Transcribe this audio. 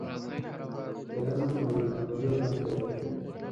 کیله نرمه وي او ژېړ رنګ لري.